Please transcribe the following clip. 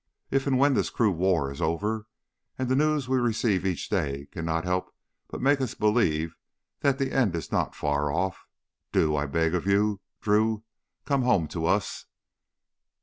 If and when this cruel war is over and the news we receive each day can not help but make us believe that the end is not far off do, I beg of you, Drew, come home to us.